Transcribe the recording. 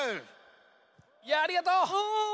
ありがとう。